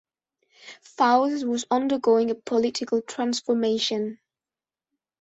Fowles was undergoing a political transformation.